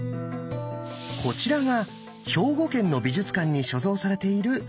こちらが兵庫県の美術館に所蔵されている「天正カルタ」。